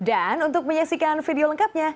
dan untuk menyaksikan video lengkapnya